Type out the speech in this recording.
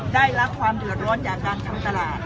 ได้รับความเดือดร้อนจากการทำตลาด